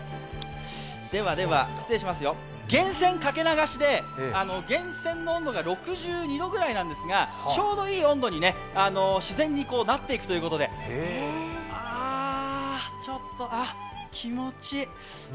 源泉掛け流しで、源泉の温度が６２度ぐらいなんですがちょうどいい温度に自然になっていくということでああ、気持ちいい。